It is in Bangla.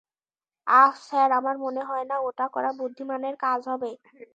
আহ, স্যার, আমার মনে হয় না, ওটা করা বুদ্ধিমানের কাজ হবে।